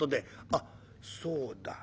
「あっそうだ。